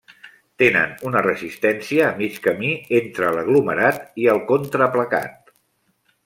Tenen una resistència a mig camí entre l'aglomerat i el contraplacat.